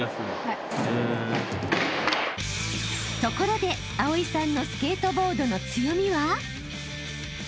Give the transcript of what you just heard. ［ところで葵さんのスケートボードの強みは？］